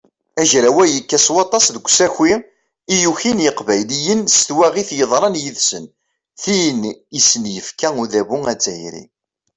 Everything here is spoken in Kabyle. Agraw-a yekka s waṭas deg usaki i yukin yiqbayliyen s twaɣit yeḍran yid-sen, tin i sen-yefka udabu azzayri.